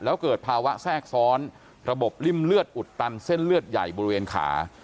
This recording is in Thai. แล้วเกิดภาวะแทรกซ้อนระบบริ่มเลือดอุดตันเส้นเลือดใหญ่บริเวณขา